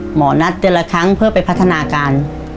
หมอนัดเดือนละครั้งเพื่อไปพัฒนาการ